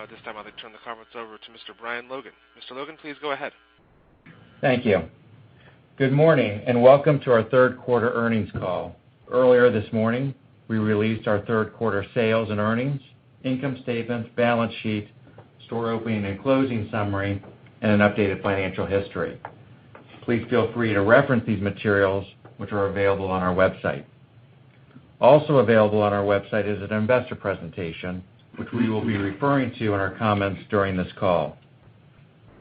Now at this time, I'd like to turn the conference over to Mr. Brian Logan. Mr. Logan, please go ahead. Thank you. Good morning, and welcome to our third quarter earnings call. Earlier this morning, we released our third quarter sales and earnings, income statements, balance sheet, store opening and closing summary, and an updated financial history. Please feel free to reference these materials which are available on our website. Also available on our website is an investor presentation, which we will be referring to in our comments during this call.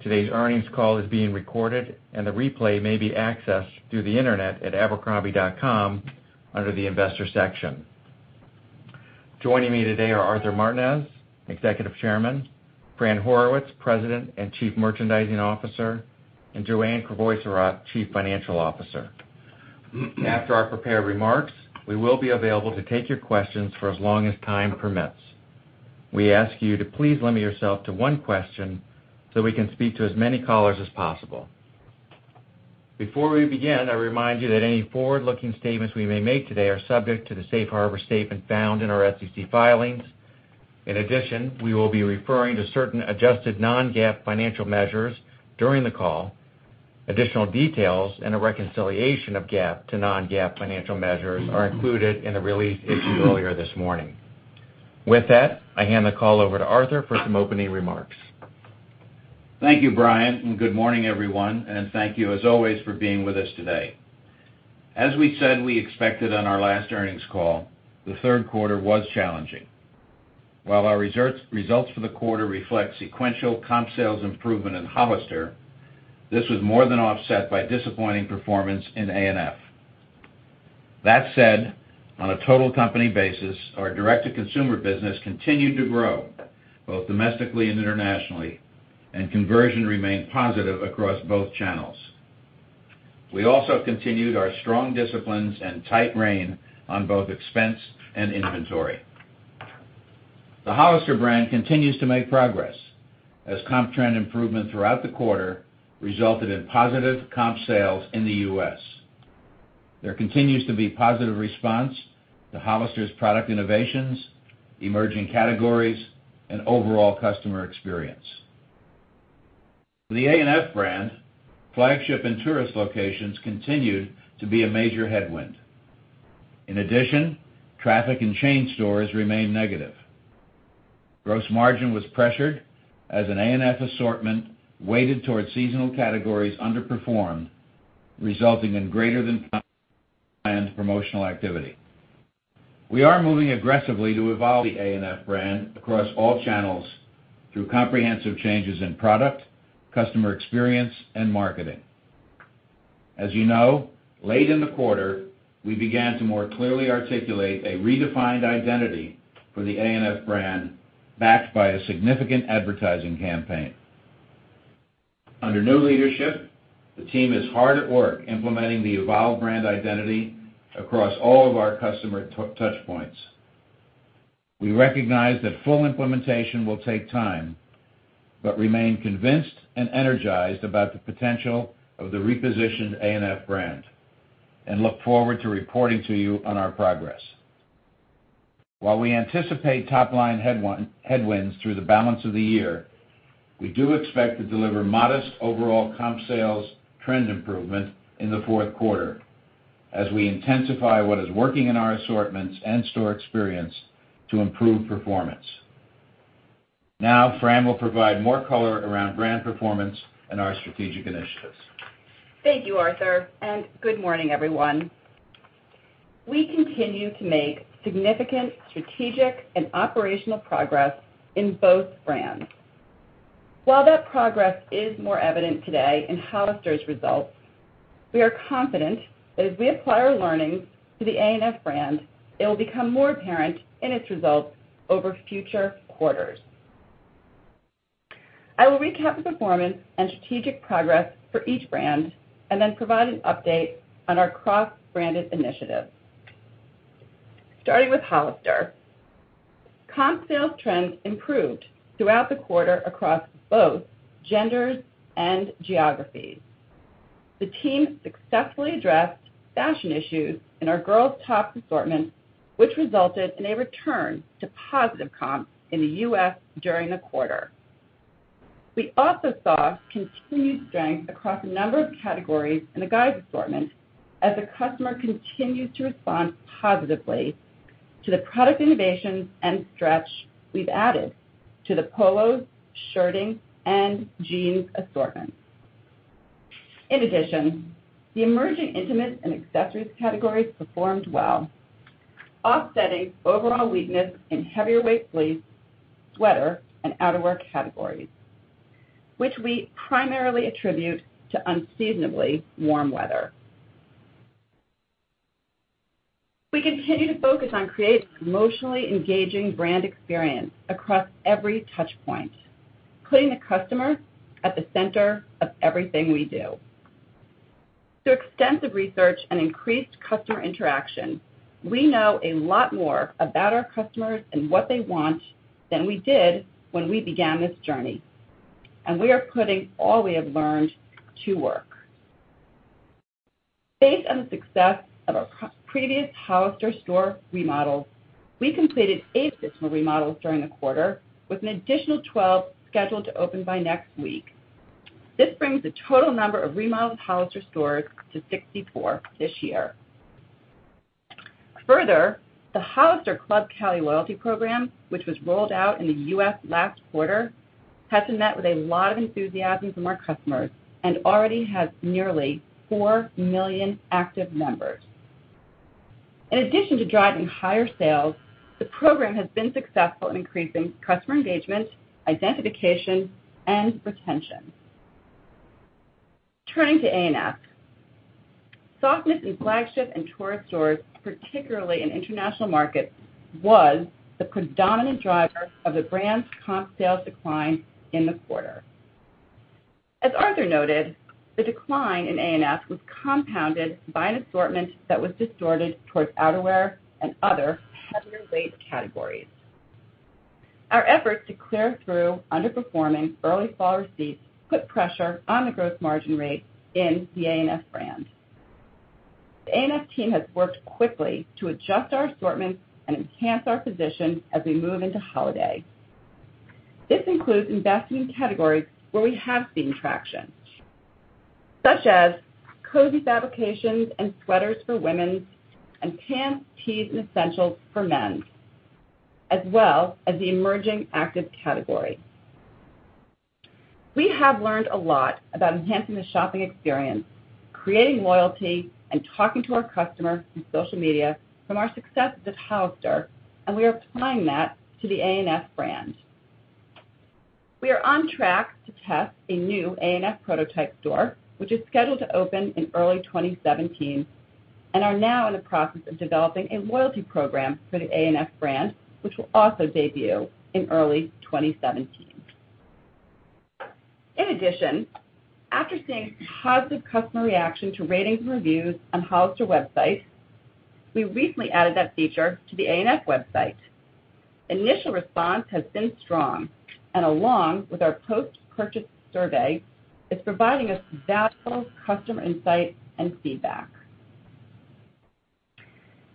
Today's earnings call is being recorded, and the replay may be accessed through the internet at abercrombie.com under the investor section. Joining me today are Arthur Martinez, Executive Chairman, Fran Horowitz, President and Chief Merchandising Officer, and Joanne Crevoiserat, Chief Financial Officer. After our prepared remarks, we will be available to take your questions for as long as time permits. We ask you to please limit yourself to one question so we can speak to as many callers as possible. Before we begin, I remind you that any forward-looking statements we may make today are subject to the safe harbor statement found in our SEC filings. In addition, we will be referring to certain adjusted non-GAAP financial measures during the call. Additional details and a reconciliation of GAAP to non-GAAP financial measures are included in the release issued earlier this morning. With that, I hand the call over to Arthur for some opening remarks. Thank you, Brian, and good morning, everyone, and thank you as always for being with us today. As we said we expected on our last earnings call, the third quarter was challenging. While our results for the quarter reflect sequential comp sales improvement in Hollister, this was more than offset by disappointing performance in A&F. That said, on a total company basis, our direct-to-consumer business continued to grow both domestically and internationally, and conversion remained positive across both channels. We also continued our strong disciplines and tight rein on both expense and inventory. The Hollister brand continues to make progress as comp trend improvement throughout the quarter resulted in positive comp sales in the U.S. There continues to be positive response to Hollister's product innovations, emerging categories, and overall customer experience. For the A&F brand, flagship and tourist locations continued to be a major headwind. In addition, traffic in chain stores remained negative. Gross margin was pressured as an A&F assortment weighted towards seasonal categories underperformed, resulting in greater than planned promotional activity. We are moving aggressively to evolve the A&F brand across all channels through comprehensive changes in product, customer experience, and marketing. As you know, late in the quarter, we began to more clearly articulate a redefined identity for the A&F brand, backed by a significant advertising campaign. Under new leadership, the team is hard at work implementing the evolved brand identity across all of our customer touchpoints. We recognize that full implementation will take time, but remain convinced and energized about the potential of the repositioned A&F brand, and look forward to reporting to you on our progress. While we anticipate top-line headwinds through the balance of the year, we do expect to deliver modest overall comp sales trend improvement in the fourth quarter as we intensify what is working in our assortments and store experience to improve performance. Now, Fran will provide more color around brand performance and our strategic initiatives. Thank you, Arthur, and good morning, everyone. We continue to make significant strategic and operational progress in both brands. While that progress is more evident today in Hollister's results, we are confident that as we apply our learnings to the A&F brand, it will become more apparent in its results over future quarters. I will recap the performance and strategic progress for each brand and then provide an update on our cross-branded initiatives. Starting with Hollister. Comp sales trends improved throughout the quarter across both genders and geographies. The team successfully addressed fashion issues in our girls top assortments, which resulted in a return to positive comps in the U.S. during the quarter. We also saw continued strength across a number of categories in the guys assortment as the customer continues to respond positively to the product innovations and stretch we've added to the polos, shirting, and jeans assortments. In addition, the emerging intimates and accessories categories performed well, offsetting overall weakness in heavier weight fleece, sweater, and outerwear categories, which we primarily attribute to unseasonably warm weather. We continue to focus on creating an emotionally engaging brand experience across every touchpoint, putting the customer at the center of everything we do. Through extensive research and increased customer interaction, we know a lot more about our customers and what they want than we did when we began this journey, and we are putting all we have learned to work. Based on the success of our previous Hollister store remodel, we completed eight system remodels during the quarter, with an additional 12 scheduled to open by next week. This brings the total number of remodeled Hollister stores to 64 this year. Further, the Hollister Club Cali loyalty program, which was rolled out in the U.S. last quarter, has been met with a lot of enthusiasm from our customers and already has nearly 4 million active members. In addition to driving higher sales, the program has been successful in increasing customer engagement, identification, and retention. Turning to ANF. Softness in flagship and tourist stores, particularly in international markets, was the predominant driver of the brand's comp sales decline in the quarter. As Arthur noted, the decline in ANF was compounded by an assortment that was distorted towards outerwear and other heavier weight categories. Our efforts to clear through underperforming early fall receipts put pressure on the gross margin rate in the ANF brand. The ANF team has worked quickly to adjust our assortments and enhance our position as we move into holiday. This includes investing in categories where we have seen traction, such as cozy fabrications and sweaters for women, and pants, tees, and essentials for men, as well as the emerging active category. We have learned a lot about enhancing the shopping experience, creating loyalty, and talking to our customers through social media from our success with Hollister, and we are applying that to the ANF brand. We are on track to test a new ANF prototype store, which is scheduled to open in early 2017, and are now in the process of developing a loyalty program for the ANF brand, which will also debut in early 2017. In addition, after seeing positive customer reaction to ratings and reviews on Hollister website, we recently added that feature to the ANF website. Initial response has been strong, and along with our post-purchase survey, it's providing us valuable customer insights and feedback.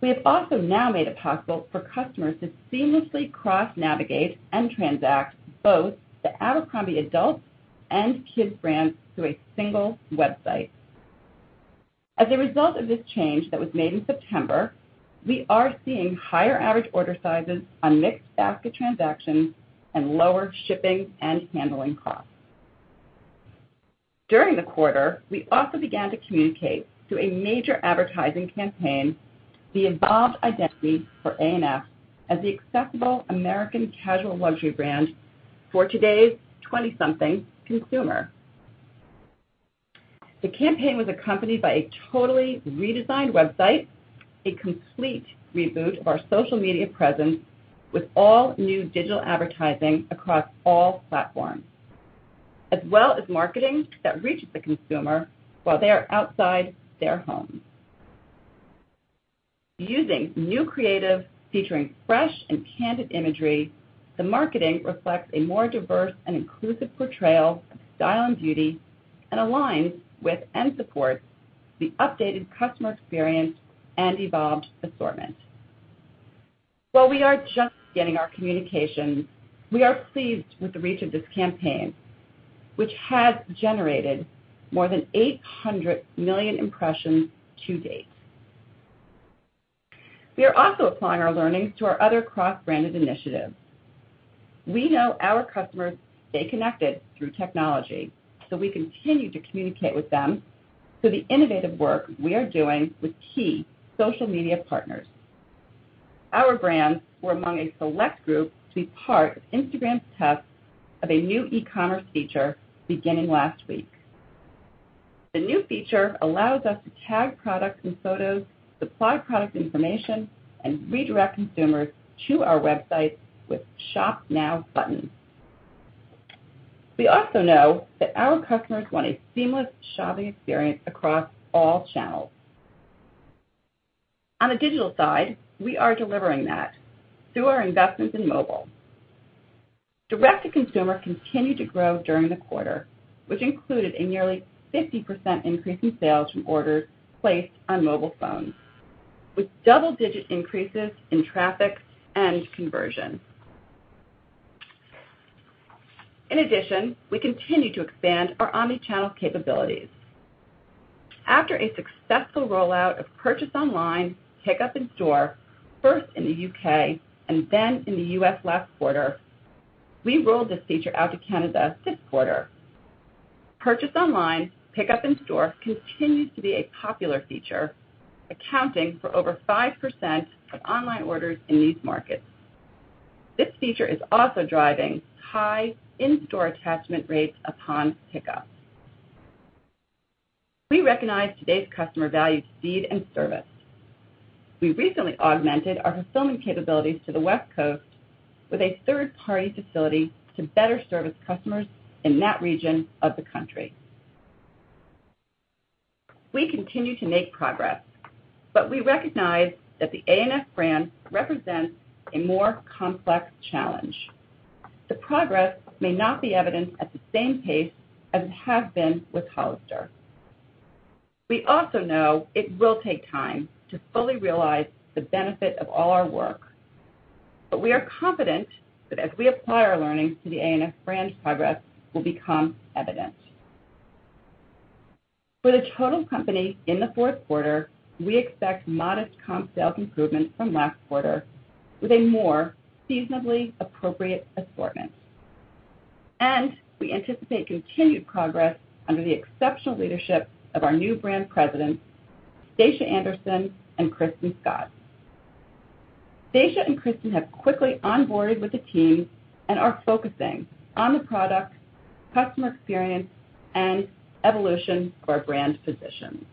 We have also now made it possible for customers to seamlessly cross-navigate and transact both the Abercrombie adult and abercrombie kids brands through a single website. As a result of this change that was made in September, we are seeing higher average order sizes on mixed basket transactions and lower shipping and handling costs. During the quarter, we also began to communicate through a major advertising campaign the evolved identity for ANF as the accessible American casual luxury brand for today's 20-something consumer. The campaign was accompanied by a totally redesigned website, a complete reboot of our social media presence, with all new digital advertising across all platforms, as well as marketing that reaches the consumer while they are outside their homes. Using new creative featuring fresh and candid imagery, the marketing reflects a more diverse and inclusive portrayal of style and beauty and aligns with, and supports, the updated customer experience and evolved assortment. While we are just getting our communication, we are pleased with the reach of this campaign, which has generated more than 800 million impressions to date. We are also applying our learnings to our other cross-branded initiatives. We know our customers stay connected through technology, so we continue to communicate with them through the innovative work we are doing with key social media partners. Our brands were among a select group to be part of Instagram's test of a new e-commerce feature beginning last week. The new feature allows us to tag products in photos, supply product information, and redirect consumers to our website with Shop Now buttons. We also know that our customers want a seamless shopping experience across all channels. On the digital side, we are delivering that through our investments in mobile. Direct-to-consumer continued to grow during the quarter, which included a nearly 50% increase in sales from orders placed on mobile phones, with double-digit increases in traffic and conversion. In addition, we continue to expand our omni-channel capabilities. After a successful rollout of purchase online, pickup in store, first in the U.K. and then in the U.S. last quarter, we rolled this feature out to Canada this quarter. Purchase online, pickup in store continues to be a popular feature, accounting for over 5% of online orders in these markets. This feature is also driving high in-store attachment rates upon pickup. We recognize today's customer values speed and service. We recently augmented our fulfillment capabilities to the West Coast with a third-party facility to better service customers in that region of the country. We continue to make progress. We recognize that the A&F brand represents a more complex challenge. The progress may not be evident at the same pace as it has been with Hollister. We also know it will take time to fully realize the benefit of all our work. We are confident that as we apply our learnings to the A&F brand, progress will become evident. For the total company in the fourth quarter, we expect modest comp sales improvement from last quarter with a more seasonably appropriate assortment. We anticipate continued progress under the exceptional leadership of our new brand presidents, Stacia Andersen and Kristin Scott. Stacia and Kristin have quickly onboarded with the team and are focusing on the product, customer experience, and evolution of our brand position.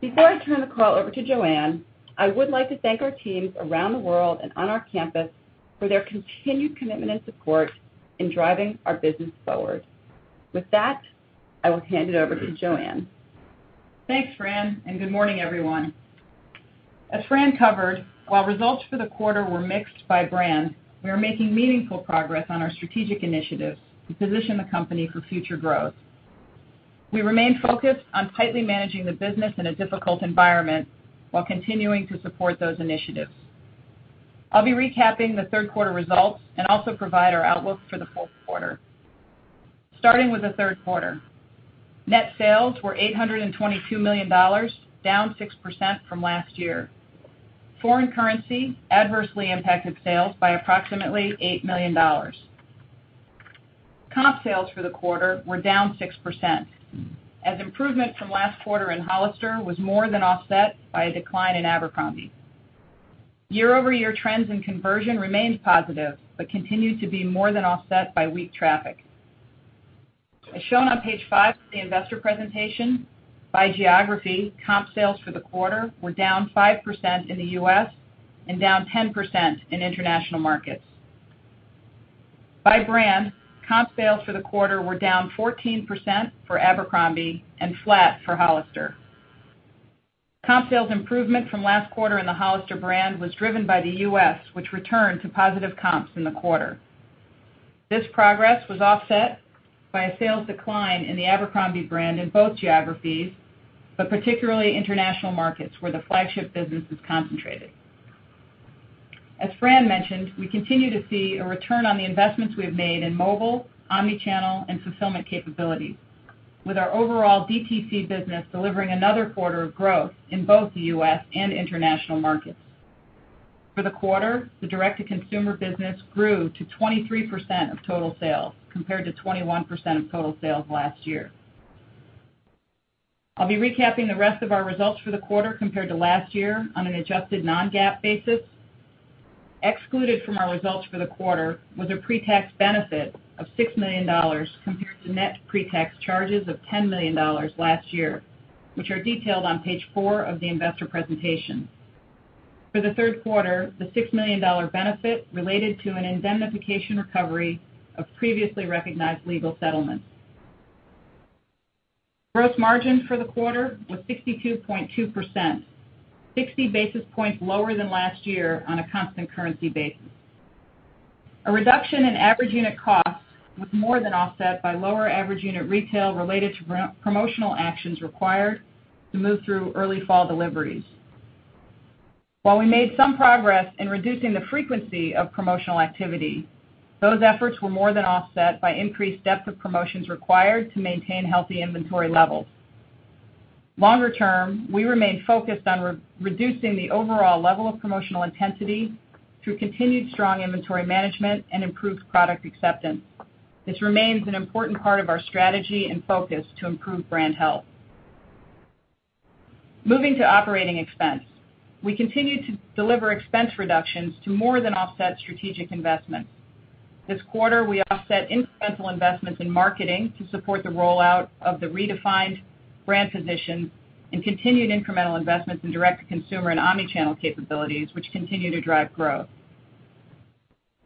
Before I turn the call over to Joanne, I would like to thank our teams around the world and on our campus for their continued commitment and support in driving our business forward. With that, I will hand it over to Joanne. Thanks, Fran. Good morning, everyone. As Fran covered, while results for the quarter were mixed by brand, we are making meaningful progress on our strategic initiatives to position the company for future growth. We remain focused on tightly managing the business in a difficult environment while continuing to support those initiatives. I'll be recapping the third quarter results and also provide our outlook for the fourth quarter. Starting with the third quarter, net sales were $822 million, down 6% from last year. Foreign currency adversely impacted sales by approximately $8 million. Comp sales for the quarter were down 6%, as improvement from last quarter in Hollister was more than offset by a decline in Abercrombie. Year-over-year trends in conversion remained positive but continued to be more than offset by weak traffic. As shown on page five of the investor presentation, by geography, comp sales for the quarter were down 5% in the U.S. and down 10% in international markets. By brand, comp sales for the quarter were down 14% for Abercrombie and flat for Hollister. Comp sales improvement from last quarter in the Hollister brand was driven by the U.S., which returned to positive comps in the quarter. This progress was offset by a sales decline in the Abercrombie brand in both geographies, but particularly international markets where the flagship business is concentrated. As Fran mentioned, we continue to see a return on the investments we have made in mobile, omnichannel, and fulfillment capabilities, with our overall DTC business delivering another quarter of growth in both the U.S. and international markets. For the quarter, the direct-to-consumer business grew to 23% of total sales, compared to 21% of total sales last year. I'll be recapping the rest of our results for the quarter compared to last year on an adjusted non-GAAP basis. Excluded from our results for the quarter was a pre-tax benefit of $6 million compared to net pre-tax charges of $10 million last year, which are detailed on page four of the investor presentation. For the third quarter, the $6 million benefit related to an indemnification recovery of previously recognized legal settlements. Gross margin for the quarter was 62.2%, 60 basis points lower than last year on a constant currency basis. A reduction in average unit cost was more than offset by lower average unit retail related to promotional actions required to move through early fall deliveries. While we made some progress in reducing the frequency of promotional activity, those efforts were more than offset by increased depth of promotions required to maintain healthy inventory levels. Longer term, we remain focused on reducing the overall level of promotional intensity through continued strong inventory management and improved product acceptance. This remains an important part of our strategy and focus to improve brand health. Moving to operating expense. We continue to deliver expense reductions to more than offset strategic investments. This quarter, we offset incremental investments in marketing to support the rollout of the redefined brand position and continued incremental investments in direct-to-consumer and omnichannel capabilities, which continue to drive growth.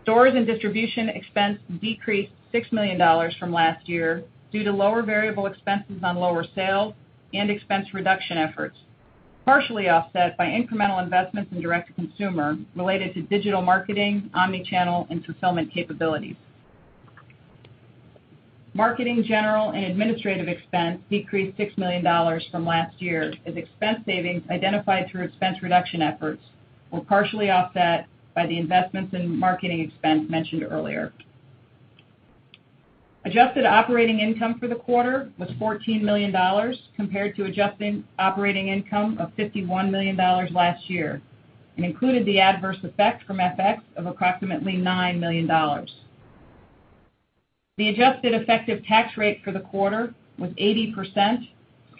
Stores and distribution expense decreased $6 million from last year due to lower variable expenses on lower sales and expense reduction efforts, partially offset by incremental investments in direct-to-consumer related to digital marketing, omnichannel, and fulfillment capabilities. Marketing, general, and administrative expense decreased $6 million from last year as expense savings identified through expense reduction efforts were partially offset by the investments in marketing expense mentioned earlier. Adjusted operating income for the quarter was $14 million, compared to adjusted operating income of $51 million last year, and included the adverse effect from FX of approximately $9 million. The adjusted effective tax rate for the quarter was 80%,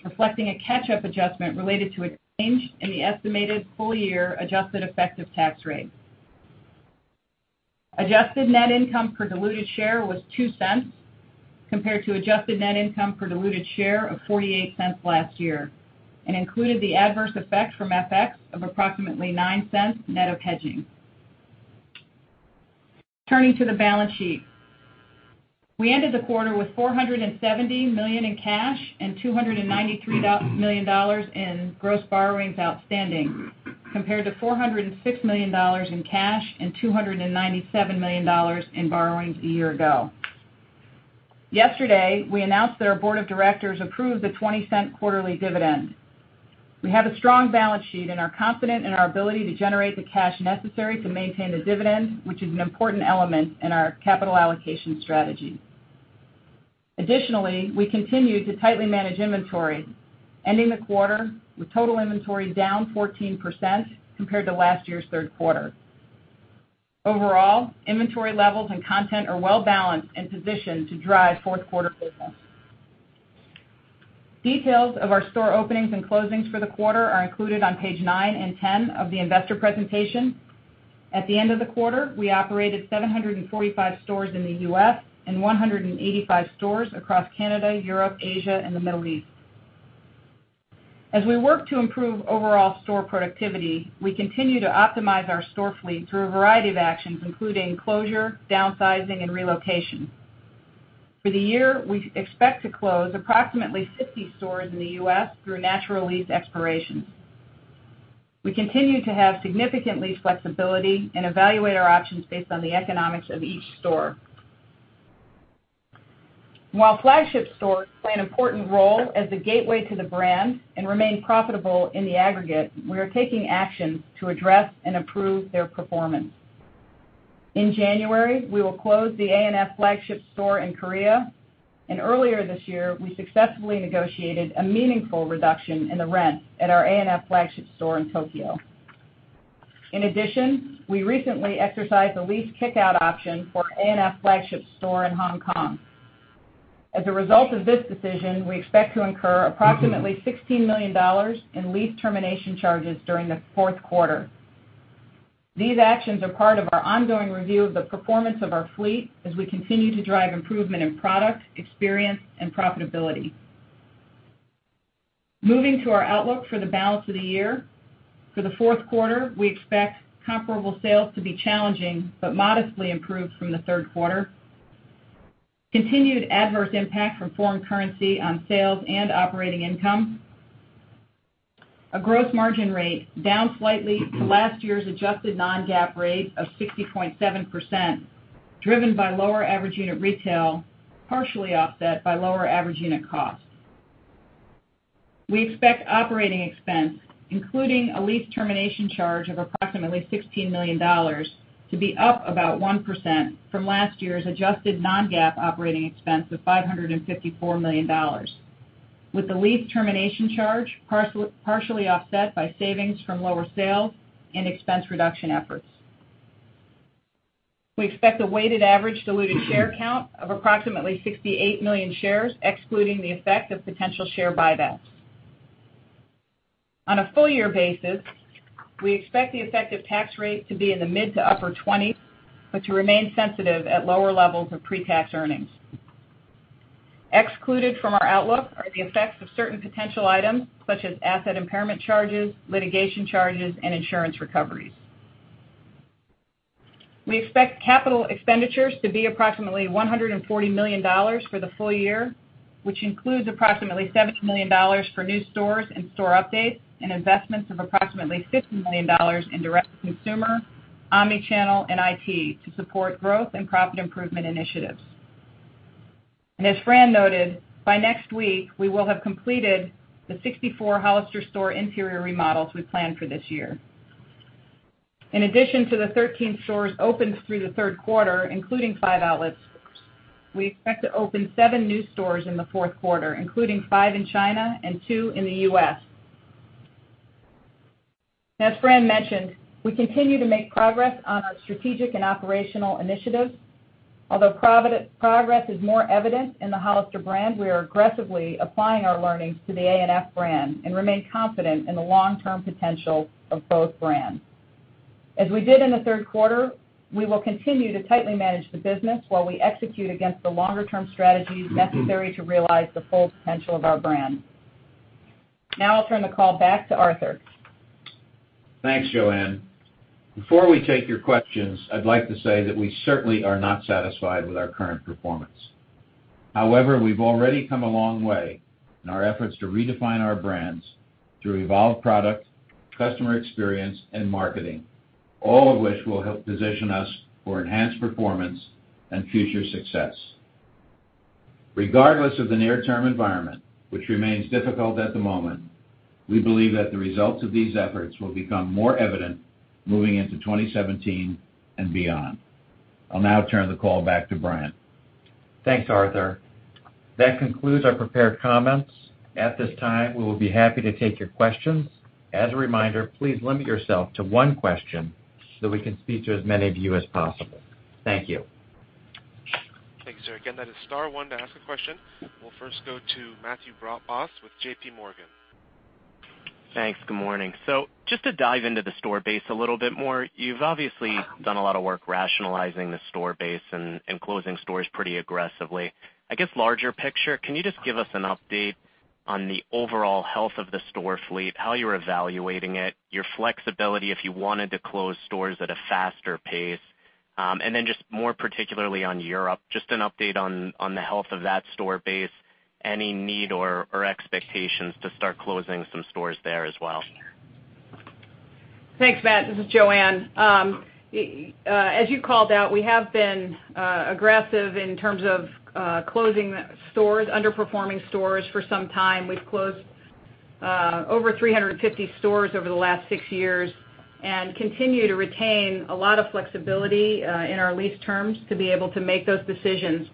reflecting a catch-up adjustment related to a change in the estimated full-year adjusted effective tax rate. Adjusted net income per diluted share was $0.02, compared to adjusted net income per diluted share of $0.48 last year, and included the adverse effect from FX of approximately $0.09 net of hedging. Turning to the balance sheet. We ended the quarter with $470 million in cash and $293 million in gross borrowings outstanding, compared to $406 million in cash and $297 million in borrowings a year ago. Yesterday, we announced that our board of directors approved a $0.20 quarterly dividend. We have a strong balance sheet and are confident in our ability to generate the cash necessary to maintain the dividend, which is an important element in our capital allocation strategy. Additionally, we continue to tightly manage inventory, ending the quarter with total inventory down 14% compared to last year's third quarter. Overall, inventory levels and content are well-balanced and positioned to drive fourth quarter business. Details of our store openings and closings for the quarter are included on page nine and 10 of the investor presentation. At the end of the quarter, we operated 745 stores in the U.S. and 185 stores across Canada, Europe, Asia, and the Middle East. As we work to improve overall store productivity, we continue to optimize our store fleet through a variety of actions, including closure, downsizing, and relocation. For the year, we expect to close approximately 50 stores in the U.S. through natural lease expirations. We continue to have significant lease flexibility and evaluate our options based on the economics of each store. While flagship stores play an important role as the gateway to the brand and remain profitable in the aggregate, we are taking actions to address and improve their performance. In January, we will close the A&F flagship store in Korea, and earlier this year, we successfully negotiated a meaningful reduction in the rent at our A&F flagship store in Tokyo. In addition, we recently exercised the lease kick-out option for A&F flagship store in Hong Kong. As a result of this decision, we expect to incur approximately $16 million in lease termination charges during the fourth quarter. These actions are part of our ongoing review of the performance of our fleet as we continue to drive improvement in product, experience, and profitability. Moving to our outlook for the balance of the year. For the fourth quarter, we expect comparable sales to be challenging but modestly improved from the third quarter. Continued adverse impact from foreign currency on sales and operating income. A gross margin rate down slightly to last year's adjusted non-GAAP rate of 60.7%, driven by lower average unit retail, partially offset by lower average unit costs. We expect operating expense, including a lease termination charge of approximately $16 million, to be up about 1% from last year's adjusted non-GAAP operating expense of $554 million, with the lease termination charge partially offset by savings from lower sales and expense reduction efforts. We expect a weighted average diluted share count of approximately 68 million shares, excluding the effect of potential share buybacks. On a full-year basis, we expect the effective tax rate to be in the mid to upper 20s, but to remain sensitive at lower levels of pre-tax earnings. Excluded from our outlook are the effects of certain potential items such as asset impairment charges, litigation charges, and insurance recoveries. We expect capital expenditures to be approximately $140 million for the full year, which includes approximately $70 million for new stores and store updates and investments of approximately $50 million in direct-to-consumer, omnichannel, and IT to support growth and profit improvement initiatives. As Fran noted, by next week, we will have completed the 64 Hollister store interior remodels we planned for this year. In addition to the 13 stores opened through the third quarter, including 5 outlets, we expect to open 7 new stores in the fourth quarter, including 5 in China and 2 in the U.S. As Fran mentioned, we continue to make progress on our strategic and operational initiatives. Although progress is more evident in the Hollister brand, we are aggressively applying our learnings to the A&F brand and remain confident in the long-term potential of both brands. As we did in the third quarter, we will continue to tightly manage the business while we execute against the longer-term strategies necessary to realize the full potential of our brand. I'll turn the call back to Arthur. Thanks, Joanne. Before we take your questions, I'd like to say that we certainly are not satisfied with our current performance. We've already come a long way in our efforts to redefine our brands through evolved product, customer experience, and marketing, all of which will help position us for enhanced performance and future success. Regardless of the near-term environment, which remains difficult at the moment, we believe that the results of these efforts will become more evident moving into 2017 and beyond. I'll now turn the call back to Brian. Thanks, Arthur. That concludes our prepared comments. At this time, we will be happy to take your questions. As a reminder, please limit yourself to one question so that we can speak to as many of you as possible. Thank you. Thanks. Again, that is star one to ask a question. We'll first go to Matthew Boss with J.P. Morgan. Thanks. Good morning. Just to dive into the store base a little bit more, you've obviously done a lot of work rationalizing the store base and closing stores pretty aggressively. I guess larger picture, can you just give us an update on the overall health of the store fleet, how you're evaluating it, your flexibility if you wanted to close stores at a faster pace? Just more particularly on Europe, just an update on the health of that store base. Any need or expectations to start closing some stores there as well? Thanks, Matt. This is Joanne. As you called out, we have been aggressive in terms of closing underperforming stores for some time. We've closed over 350 stores over the last six years and continue to retain a lot of flexibility in our lease terms to be able to make those decisions.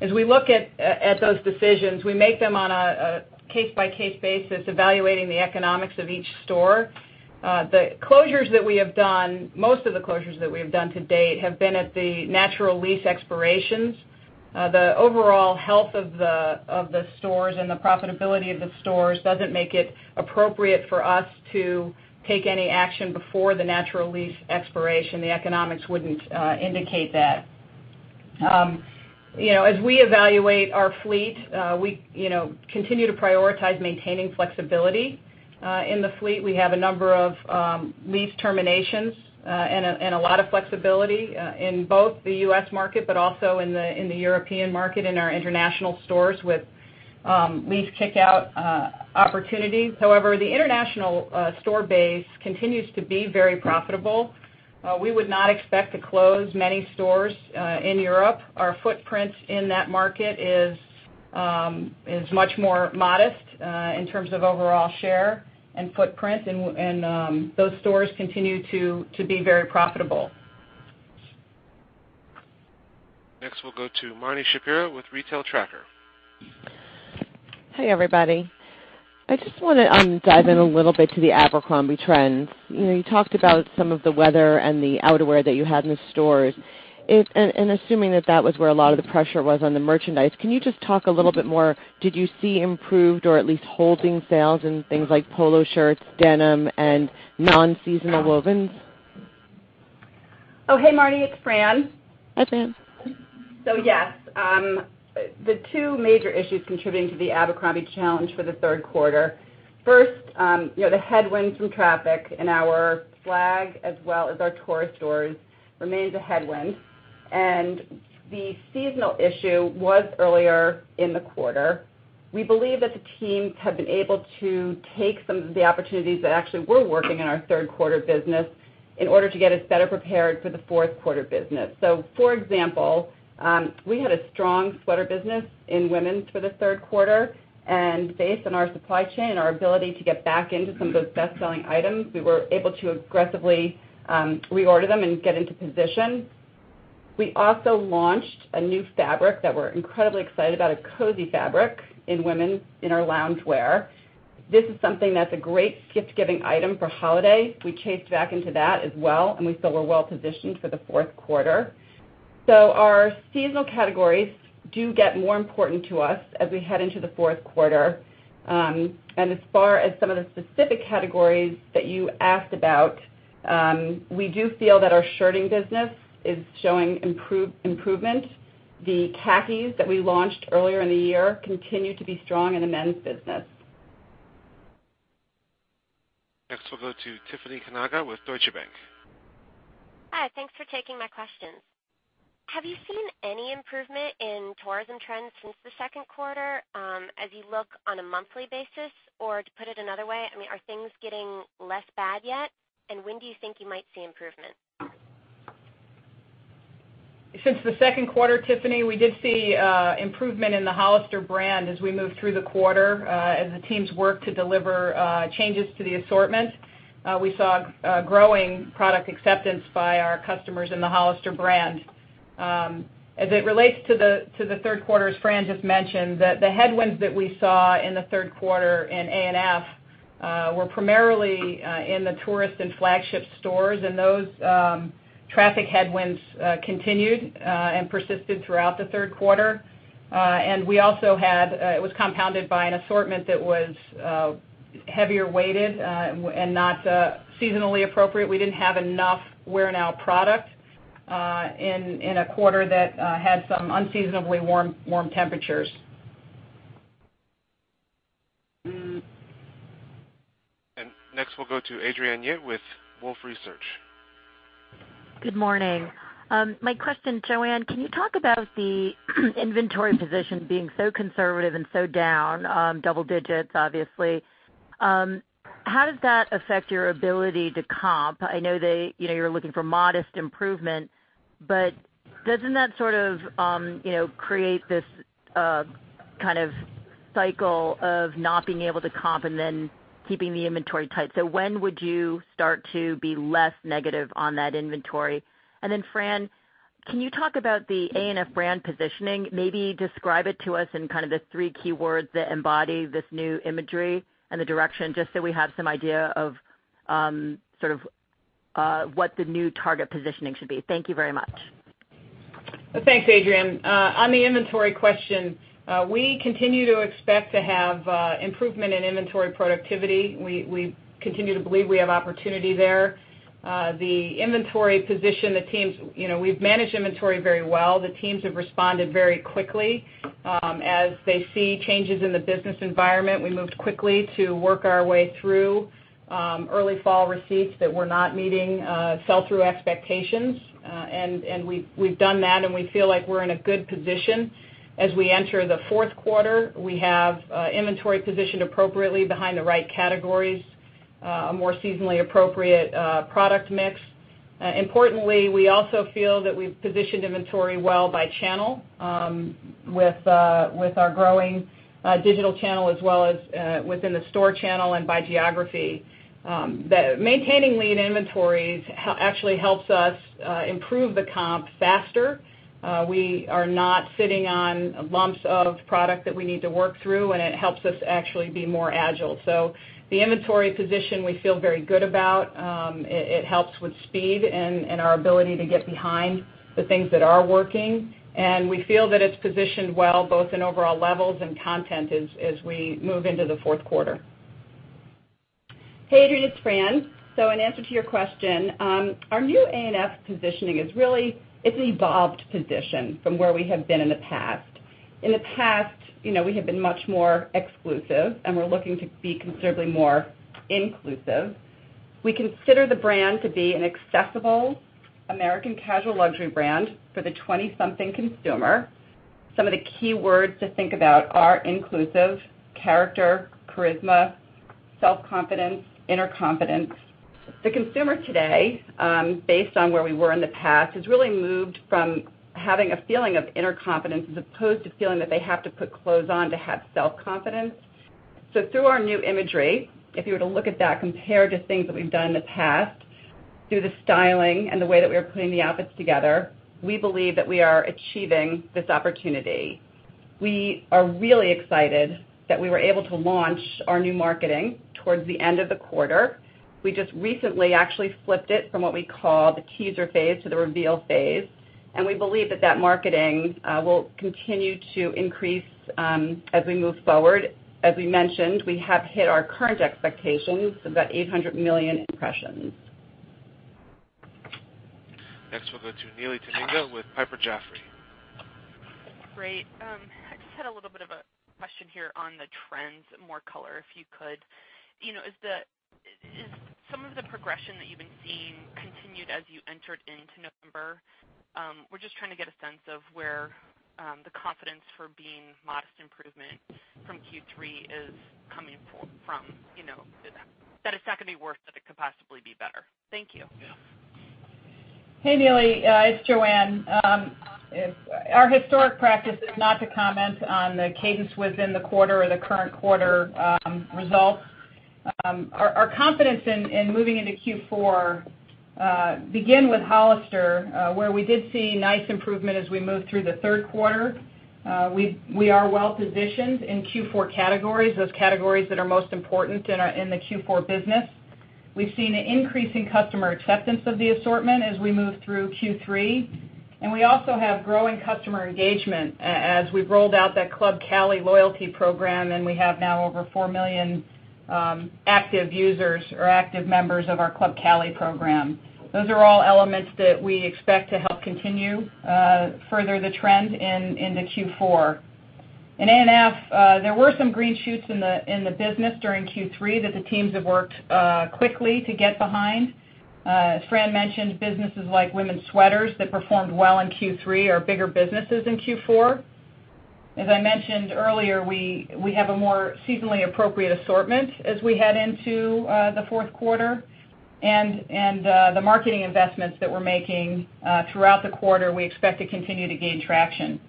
As we look at those decisions, we make them on a case-by-case basis, evaluating the economics of each store. Most of the closures that we have done to date have been at the natural lease expirations. The overall health of the stores and the profitability of the stores doesn't make it appropriate for us to take any action before the natural lease expiration. The economics wouldn't indicate that. As we evaluate our fleet, we continue to prioritize maintaining flexibility. In the fleet, we have a number of lease terminations and a lot of flexibility in both the U.S. market, but also in the European market, in our international stores with lease kick-out opportunities. However, the international store base continues to be very profitable. We would not expect to close many stores in Europe. Our footprint in that market is much more modest in terms of overall share and footprint, and those stores continue to be very profitable. Next, we'll go to Marni Shapiro with Retail Tracker. Hey, everybody. I just want to dive in a little bit to the Abercrombie trends. You talked about some of the weather and the outerwear that you had in the stores. Assuming that that was where a lot of the pressure was on the merchandise, can you just talk a little bit more, did you see improved or at least holding sales in things like polo shirts, denim, and non-seasonal wovens? Oh, hey, Marni, it's Fran. Hi, Fran. Yes. The two major issues contributing to the Abercrombie challenge for the third quarter. First, the headwinds from traffic in our flag as well as our tourist stores remains a headwind, and the seasonal issue was earlier in the quarter. We believe that the teams have been able to take some of the opportunities that actually were working in our third quarter business in order to get us better prepared for the fourth quarter business. For example, we had a strong sweater business in women's for the third quarter, and based on our supply chain and our ability to get back into some of those best-selling items, we were able to aggressively reorder them and get into position. We also launched a new fabric that we're incredibly excited about, a cozy fabric in women's, in our loungewear. This is something that's a great gift-giving item for holiday. We chased back into that as well, we feel we're well positioned for the fourth quarter. Our seasonal categories do get more important to us as we head into the fourth quarter. As far as some of the specific categories that you asked about, we do feel that our shirting business is showing improvement. The khakis that we launched earlier in the year continue to be strong in the men's business. Next, we'll go to Tiffany Kanaga with Deutsche Bank. Hi, thanks for taking my questions. Have you seen any improvement in tourism trends since the second quarter as you look on a monthly basis? Or to put it another way, are things getting less bad yet? When do you think you might see improvement? Since the second quarter, Tiffany, we did see improvement in the Hollister brand as we moved through the quarter. As the teams worked to deliver changes to the assortment, we saw growing product acceptance by our customers in the Hollister brand. As it relates to the third quarter, as Fran just mentioned, the headwinds that we saw in the third quarter in A&F were primarily in the tourist and flagship stores, those traffic headwinds continued and persisted throughout the third quarter. It was compounded by an assortment that was heavier weighted and not seasonally appropriate. We didn't have enough wear-now product in a quarter that had some unseasonably warm temperatures. Next, we'll go to Adrienne Yih with Wolfe Research. Good morning. My question, Joanne, can you talk about the inventory position being so conservative and so down, double digits, obviously. How does that affect your ability to comp? I know that you're looking for modest improvement, doesn't that sort of create this kind of cycle of not being able to comp and then keeping the inventory tight? When would you start to be less negative on that inventory? Then Fran, can you talk about the A&F brand positioning? Maybe describe it to us in kind of the three key words that embody this new imagery and the direction, just so we have some idea of sort of what the new target positioning should be. Thank you very much. Thanks, Adrienne. On the inventory question, we continue to expect to have improvement in inventory productivity. We continue to believe we have opportunity there. The inventory position, we've managed inventory very well. The teams have responded very quickly. As they see changes in the business environment, we moved quickly to work our way through early fall receipts that were not meeting sell-through expectations. We've done that, and we feel like we're in a good position. As we enter the fourth quarter, we have inventory positioned appropriately behind the right categories, a more seasonally appropriate product mix. Importantly, we also feel that we've positioned inventory well by channel with our growing digital channel as well as within the store channel and by geography. Maintaining lean inventories actually helps us improve the comp faster. We are not sitting on lumps of product that we need to work through, it helps us actually be more agile. The inventory position we feel very good about. It helps with speed and our ability to get behind the things that are working. We feel that it's positioned well, both in overall levels and content as we move into the fourth quarter. Hey, Adrienne, it's Fran. In answer to your question, our new ANF positioning is really, it's an evolved position from where we have been in the past. In the past, we have been much more exclusive, and we're looking to be considerably more inclusive. We consider the brand to be an accessible American casual luxury brand for the 20-something consumer. Some of the key words to think about are inclusive, character, charisma, self-confidence, inner confidence. The consumer today, based on where we were in the past, has really moved from having a feeling of inner confidence as opposed to feeling that they have to put clothes on to have self-confidence. Through our new imagery, if you were to look at that compared to things that we've done in the past, through the styling and the way that we are putting the outfits together, we believe that we are achieving this opportunity. We are really excited that we were able to launch our new marketing towards the end of the quarter. We just recently actually flipped it from what we call the teaser phase to the reveal phase, and we believe that marketing will continue to increase as we move forward. As we mentioned, we have hit our current expectations of about 800 million impressions. Next, we'll go to Neely Tamminga with Piper Jaffray. Great. I just had a little bit of a question here on the trends. More color, if you could. Is some of the progression that you've been seeing continued as you entered into November? We're just trying to get a sense of where the confidence for being modest improvement from Q3 is coming from. That it's not going to be worse, that it could possibly be better. Thank you. Hey, Neely. It's Joanne. Our historic practice is not to comment on the cadence within the quarter or the current quarter results. Our confidence in moving into Q4 begin with Hollister, where we did see nice improvement as we moved through the third quarter. We are well-positioned in Q4 categories, those categories that are most important in the Q4 business. We've seen an increase in customer acceptance of the assortment as we moved through Q3, and we also have growing customer engagement as we've rolled out that Club Cali loyalty program, and we have now over 4 million active users or active members of our Club Cali program. Those are all elements that we expect to help continue further the trend into Q4. In ANF, there were some green shoots in the business during Q3 that the teams have worked quickly to get behind. As Fran mentioned, businesses like women's sweaters that performed well in Q3 are bigger businesses in Q4. As I mentioned earlier, we have a more seasonally appropriate assortment as we head into the fourth quarter. The marketing investments that we're making throughout the quarter, we expect to continue to gain traction.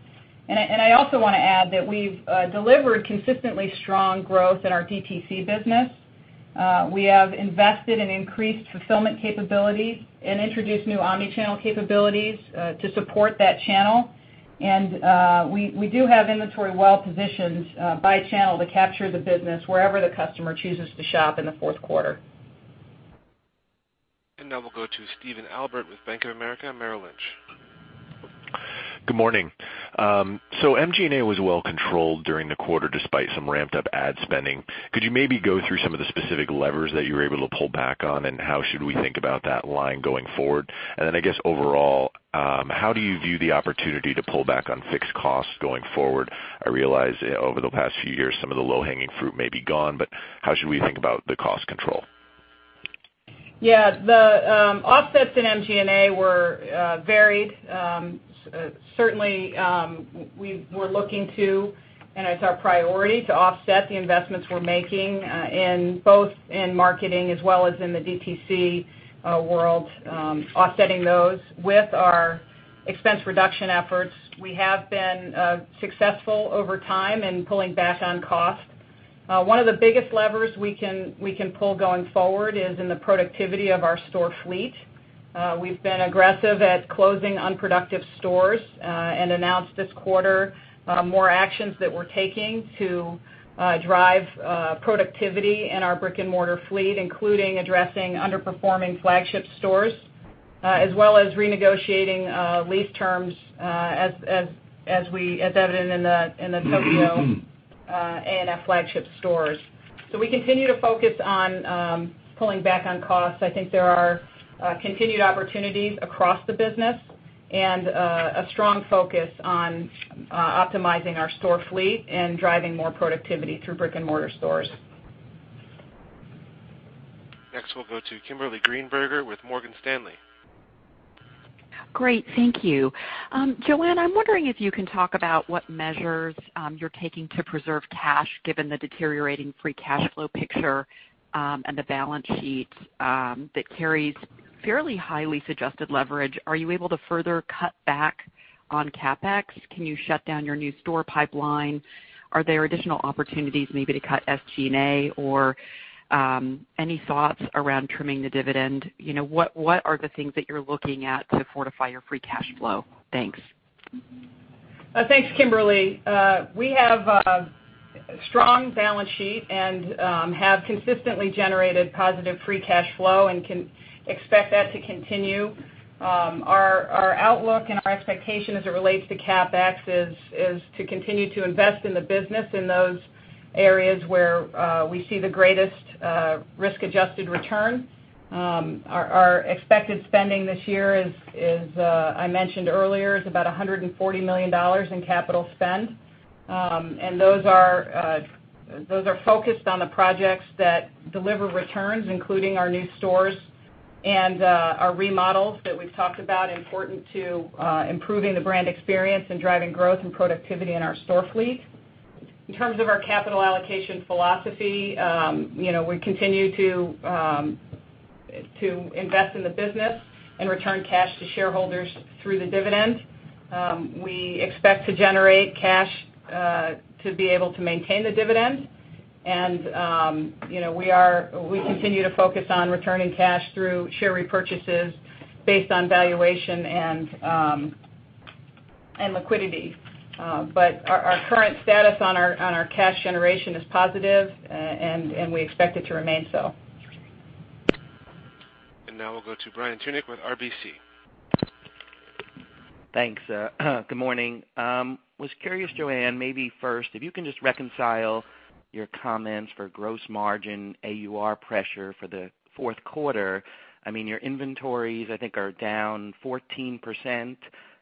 I also want to add that we've delivered consistently strong growth in our DTC business. We have invested in increased fulfillment capabilities and introduced new omni-channel capabilities to support that channel. We do have inventory well-positioned by channel to capture the business wherever the customer chooses to shop in the fourth quarter. Now we'll go to Stephen Albert with Bank of America Merrill Lynch. Good morning. MG&A was well controlled during the quarter despite some ramped-up ad spending. Could you maybe go through some of the specific levers that you were able to pull back on, and how should we think about that line going forward? Then I guess overall, how do you view the opportunity to pull back on fixed costs going forward? I realize over the past few years, some of the low-hanging fruit may be gone, but how should we think about the cost control? Yeah. The offsets in MG&A were varied. Certainly, we're looking to, and it's our priority to offset the investments we're making both in marketing as well as in the DTC world, offsetting those with our expense reduction efforts. We have been successful over time in pulling back on cost. One of the biggest levers we can pull going forward is in the productivity of our store fleet. We've been aggressive at closing unproductive stores and announced this quarter more actions that we're taking to drive productivity in our brick-and-mortar fleet, including addressing underperforming flagship stores. As well as renegotiating lease terms as evident in the Tokyo ANF flagship stores. We continue to focus on pulling back on costs. I think there are continued opportunities across the business, and a strong focus on optimizing our store fleet and driving more productivity through brick-and-mortar stores. Next, we'll go to Kimberly Greenberger with Morgan Stanley. Great. Thank you. Joanne, I'm wondering if you can talk about what measures you're taking to preserve cash, given the deteriorating free cash flow picture and the balance sheet that carries fairly highly suggested leverage. Are you able to further cut back on CapEx? Can you shut down your new store pipeline? Are there additional opportunities maybe to cut SG&A, or any thoughts around trimming the dividend? What are the things that you're looking at to fortify your free cash flow? Thanks. Thanks, Kimberly. We have a strong balance sheet and have consistently generated positive free cash flow and can expect that to continue. Our outlook and our expectation as it relates to CapEx is to continue to invest in the business in those areas where we see the greatest risk-adjusted return. Our expected spending this year, as I mentioned earlier, is about $140 million in capital spend. Those are focused on the projects that deliver returns, including our new stores and our remodels that we've talked about, important to improving the brand experience and driving growth and productivity in our store fleet. In terms of our capital allocation philosophy, we continue to invest in the business and return cash to shareholders through the dividend. We expect to generate cash to be able to maintain the dividend. We continue to focus on returning cash through share repurchases based on valuation and liquidity. Our current status on our cash generation is positive, and we expect it to remain so. Now we'll go to Brian Tunick with RBC. Thanks. Good morning. Was curious, Joanne, maybe first, if you can just reconcile your comments for gross margin AUR pressure for the fourth quarter. Your inventories, I think, are down 14%.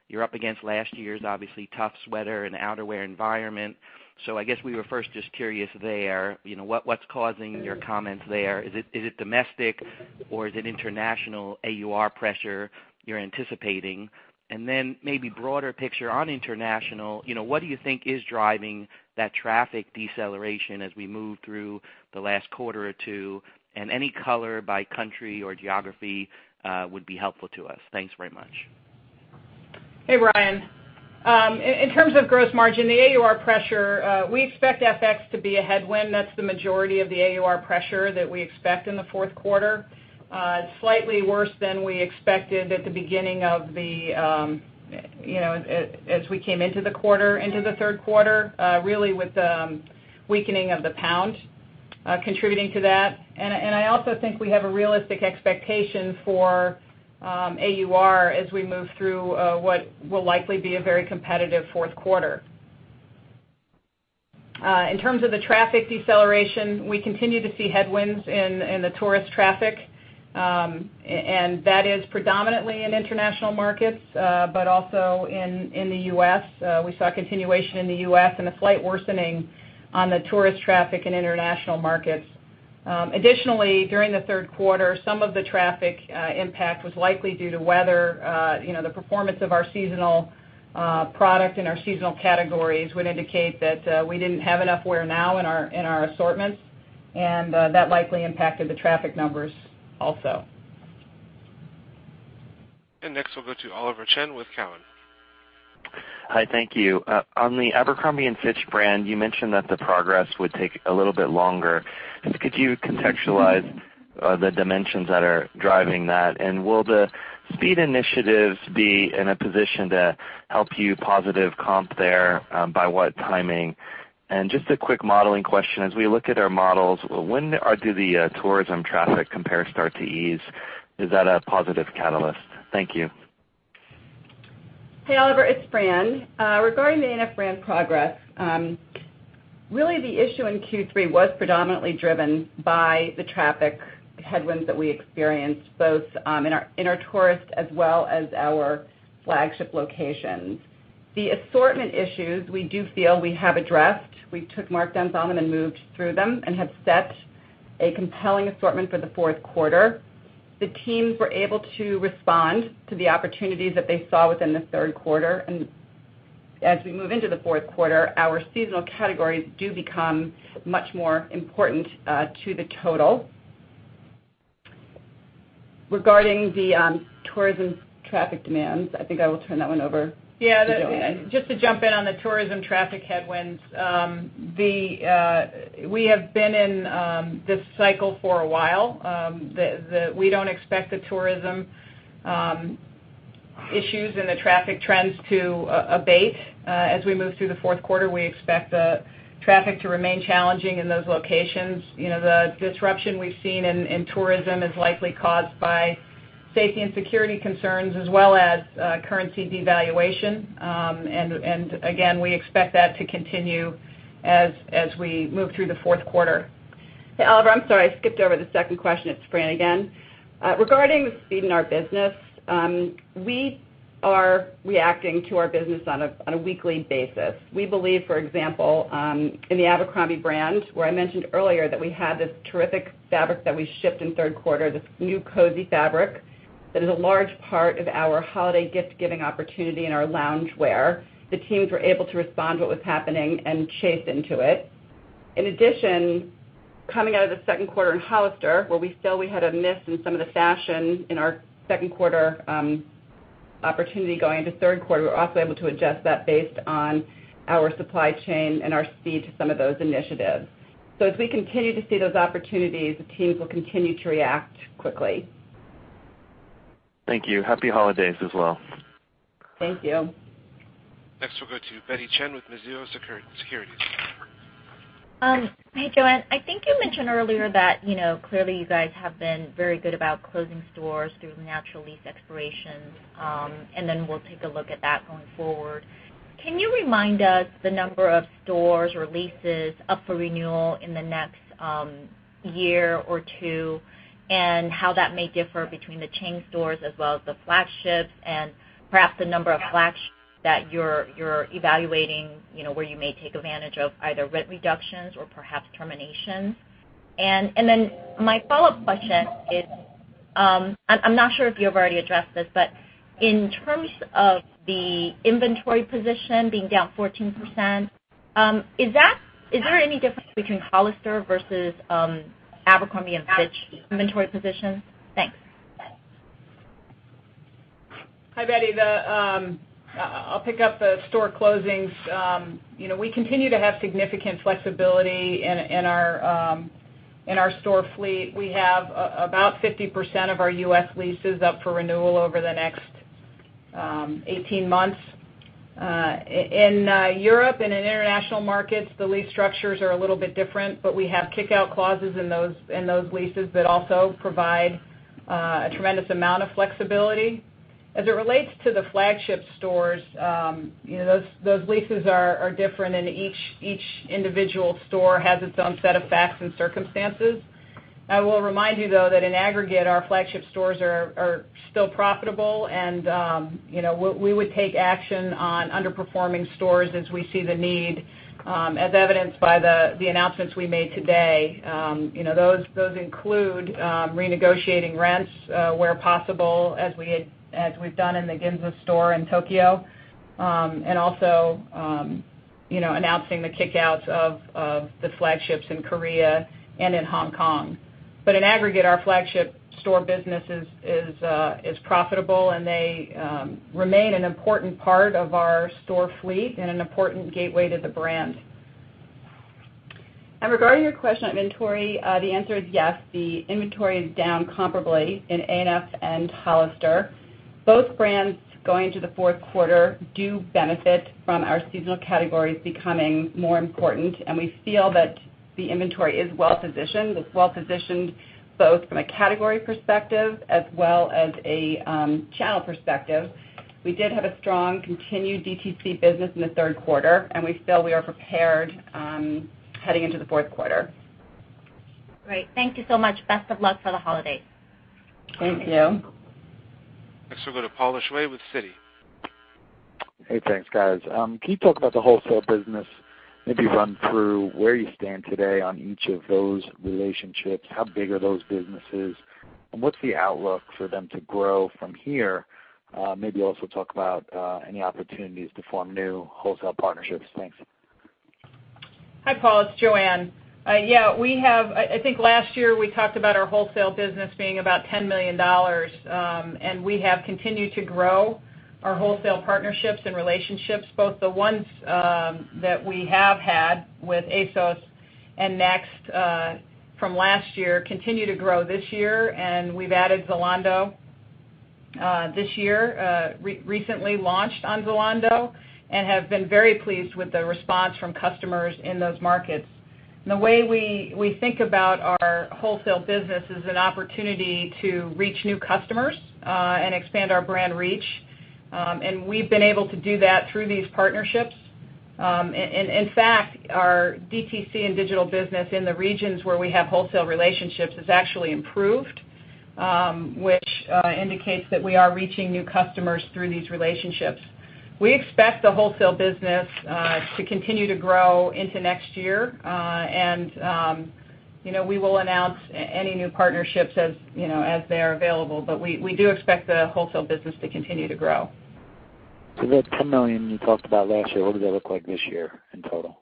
You're up against last year's obviously tough sweater and outerwear environment. I guess we were first just curious there, what's causing your comments there? Is it domestic or is it international AUR pressure you're anticipating? Then maybe broader picture on international, what do you think is driving that traffic deceleration as we move through the last quarter or two, and any color by country or geography would be helpful to us. Thanks very much. Hey, Brian. In terms of gross margin, the AUR pressure, we expect FX to be a headwind. That's the majority of the AUR pressure that we expect in the fourth quarter. Slightly worse than we expected as we came into the quarter, into the third quarter, really with the weakening of the GBP contributing to that. I also think we have a realistic expectation for AUR as we move through what will likely be a very competitive fourth quarter. In terms of the traffic deceleration, we continue to see headwinds in the tourist traffic. That is predominantly in international markets, but also in the U.S. We saw a continuation in the U.S. and a slight worsening on the tourist traffic in international markets. Additionally, during the third quarter, some of the traffic impact was likely due to weather. The performance of our seasonal product and our seasonal categories would indicate that we didn't have enough wear now in our assortments, that likely impacted the traffic numbers also. Next, we'll go to Oliver Chen with Cowen. Hi, thank you. On the Abercrombie & Fitch brand, you mentioned that the progress would take a little bit longer. Just could you contextualize the dimensions that are driving that? Will the speed initiatives be in a position to help you positive comp there, by what timing? A quick modeling question. As we look at our models, when do the tourism traffic compares start to ease? Is that a positive catalyst? Thank you. Hey, Oliver, it's Fran. Regarding the ANF brand progress, really the issue in Q3 was predominantly driven by the traffic headwinds that we experienced, both in our tourist as well as our flagship locations. The assortment issues, we do feel we have addressed. We took markdowns on them and moved through them and have set a compelling assortment for the fourth quarter. The teams were able to respond to the opportunities that they saw within the third quarter. As we move into the fourth quarter, our seasonal categories do become much more important to the total. Regarding the tourism traffic demands, I think I will turn that one over to Joanne. Yeah. Just to jump in on the tourism traffic headwinds. We have been in this cycle for a while. We don't expect the tourism issues in the traffic trends to abate. As we move through the fourth quarter, we expect the traffic to remain challenging in those locations. The disruption we've seen in tourism is likely caused by safety and security concerns as well as currency devaluation. Again, we expect that to continue as we move through the fourth quarter. Oliver, I'm sorry, I skipped over the second question. It's Fran again. Regarding speeding our business, we are reacting to our business on a weekly basis. We believe, for example, in the Abercrombie brand, where I mentioned earlier that we had this terrific fabric that we shipped in third quarter, this new cozy fabric, that is a large part of our holiday gift-giving opportunity in our loungewear. The teams were able to respond to what was happening and chase into it. In addition, coming out of the second quarter in Hollister, where we feel we had a miss in some of the fashion in our second quarter opportunity going into third quarter, we were also able to adjust that based on our supply chain and our speed to some of those initiatives. As we continue to see those opportunities, the teams will continue to react quickly. Thank you. Happy holidays as well. Thank you. We'll go to Betty Chen with Mizuho Securities. Hey, Joanne. I think you mentioned earlier that clearly you guys have been very good about closing stores through natural lease expirations, then we'll take a look at that going forward. Can you remind us the number of stores or leases up for renewal in the next year or two, and how that may differ between the chain stores as well as the flagships, and perhaps the number of flagships that you're evaluating, where you may take advantage of either rent reductions or perhaps terminations? My follow-up question is, I'm not sure if you have already addressed this, but in terms of the inventory position being down 14%, is there any difference between Hollister versus Abercrombie & Fitch inventory position? Thanks. Hi, Betty. I'll pick up the store closings. We continue to have significant flexibility in our store fleet. We have about 50% of our U.S. leases up for renewal over the next 18 months. In Europe and in international markets, the lease structures are a little bit different. We have kick-out clauses in those leases that also provide a tremendous amount of flexibility. As it relates to the flagship stores, those leases are different. Each individual store has its own set of facts and circumstances. I will remind you, though, that in aggregate, our flagship stores are still profitable, we would take action on underperforming stores as we see the need, as evidenced by the announcements we made today. Those include renegotiating rents where possible, as we've done in the Ginza store in Tokyo. Also announcing the kick-outs of the flagships in Korea and in Hong Kong. In aggregate, our flagship store business is profitable, they remain an important part of our store fleet and an important gateway to the brand. Regarding your question on inventory, the answer is yes. The inventory is down comparably in ANF and Hollister. Both brands going into the fourth quarter do benefit from our seasonal categories becoming more important, we feel that the inventory is well-positioned. It's well-positioned both from a category perspective as well as a channel perspective. We did have a strong continued DTC business in the third quarter, we feel we are prepared heading into the fourth quarter. Great. Thank you so much. Best of luck for the holidays. Thank you. We'll go to Paul Lejuez with Citi. Hey, thanks guys. Can you talk about the wholesale business, maybe run through where you stand today on each of those relationships? How big are those businesses, and what's the outlook for them to grow from here? Maybe also talk about any opportunities to form new wholesale partnerships. Thanks. Hi, Paul. It's Joanne. Yeah, I think last year we talked about our wholesale business being about $10 million. We have continued to grow our wholesale partnerships and relationships, both the ones that we have had with ASOS and Next from last year continue to grow this year, and we've added Zalando this year. Recently launched on Zalando, and have been very pleased with the response from customers in those markets. The way we think about our wholesale business is an opportunity to reach new customers, and expand our brand reach. We've been able to do that through these partnerships. In fact, our DTC and digital business in the regions where we have wholesale relationships has actually improved, which indicates that we are reaching new customers through these relationships. We expect the wholesale business to continue to grow into next year. We will announce any new partnerships as they are available, but we do expect the wholesale business to continue to grow. That $10 million you talked about last year, what does that look like this year in total?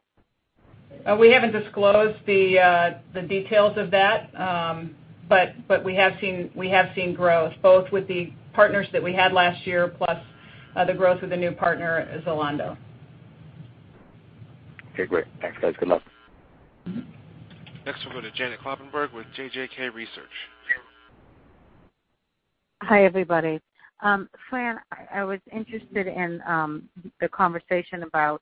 We haven't disclosed the details of that. We have seen growth both with the partners that we had last year, plus the growth with the new partner, Zalando. Okay, great. Thanks, guys. Good luck. Next, we'll go to Janet Kloppenburg with JJK Research. Hi, everybody. Fran, I was interested in the conversation about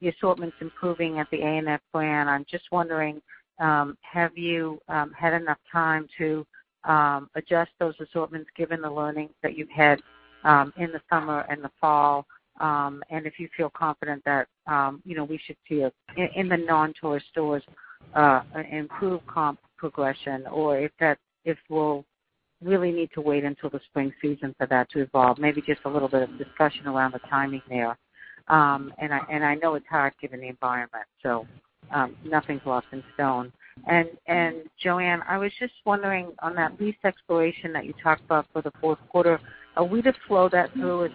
the assortments improving at the ANF brand. I'm just wondering, have you had enough time to adjust those assortments given the learning that you've had in the summer and the fall, and if you feel confident that we should see, in the non-tourist stores, an improved comp progression, or if we'll really need to wait until the spring season for that to evolve. Maybe just a little bit of discussion around the timing there. I know it's hard given the environment, so nothing's locked in stone. Joanne, I was just wondering on that lease expiration that you talked about for the fourth quarter, will we just flow that through